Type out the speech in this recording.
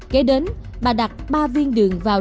kể đến bà đặt ba viên đường vào